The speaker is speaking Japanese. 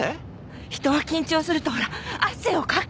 人は緊張するとほら汗をかく！